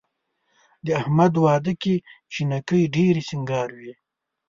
د احمد واده کې جینکۍ ډېرې سینګار وې.